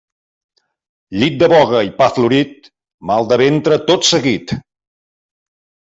Llit de boga i pa florit, mal de ventre tot seguit.